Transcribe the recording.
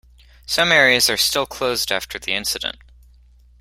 Some areas are still closed after the incident.